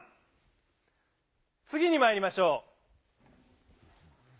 つぎにまいりましょう。